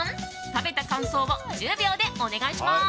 食べた感想を１０秒でお願いします。